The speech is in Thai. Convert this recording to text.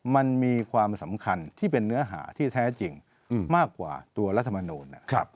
มันมีความสำคัญที่เป็นเนื้อหาที่แท้จริงมากกว่าตัวรัฐมนูล